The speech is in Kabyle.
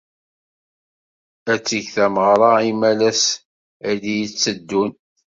Ad teg tameɣra imalas ay d-yetteddun.